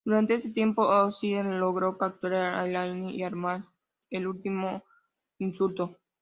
Durante ese tiempo, Ozzie logró capturar a Elaine y armar el Último Insulto.